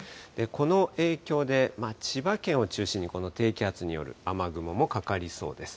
この影響で、千葉県を中心に、この低気圧による雨雲もかかりそうです。